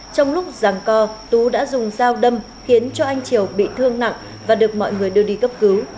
trong lúc rằng co tú đã dùng dao đâm khiến cho anh triều bị thương nặng và được mọi người đưa đi cấp cứu